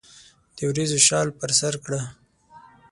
دوریځو شال پر سرکړه